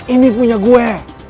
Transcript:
ini punya gue